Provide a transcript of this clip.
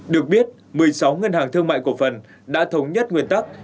được biết một mươi sáu ngân hàng thương mại cổ phần đã thống nhất nguyên tắc